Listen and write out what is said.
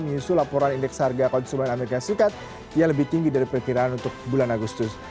menyusul laporan indeks harga konsumen as yang lebih tinggi dari perkiraan untuk bulan agustus